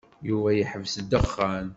Yuba yeḥbes ddexxan.